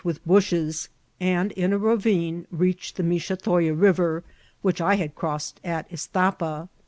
with buBhesy and in a rayine reached the Blichetoya River, which I had crossed at Istapa.